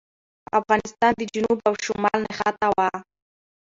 افغانستان د جنوب او شمال نښته وه.